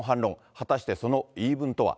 果たしてその言い分とは。